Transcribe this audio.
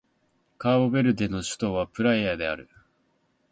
カーボベルデの首都はプライアである